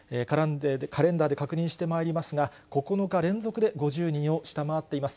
カレンダーで確認してまいりますが、９日連続で５０人を下回っています。